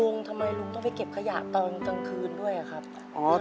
ทำไมลุงต้องไปเก็บขยะตอนกลางคืนด้วยอะครับอ๋อ